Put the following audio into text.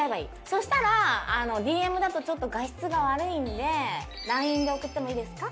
そしたら「ＤＭだとちょっと画質が悪いんでＬＩＮＥで送ってもいいですか？」